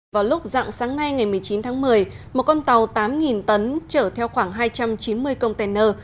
vào lúc dặn sáng nay ngày một mươi chín tháng một mươi một con tàu tám tấn chở theo khoảng hai trăm chín mươi container